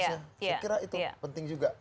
saya kira itu penting juga